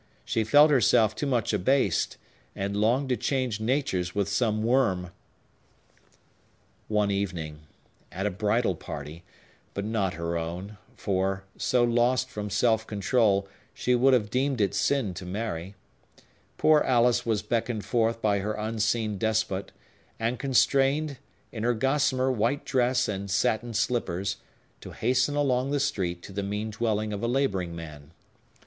She felt herself too much abased, and longed to change natures with some worm! One evening, at a bridal party (but not her own; for, so lost from self control, she would have deemed it sin to marry), poor Alice was beckoned forth by her unseen despot, and constrained, in her gossamer white dress and satin slippers, to hasten along the street to the mean dwelling of a laboring man.